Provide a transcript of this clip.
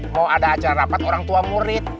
mau ada acara rapat orang tua murid